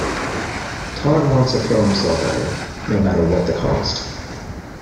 Tod wants to throw himself at her, no what matter the cost.